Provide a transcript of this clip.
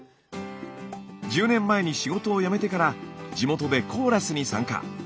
１０年前に仕事をやめてから地元でコーラスに参加。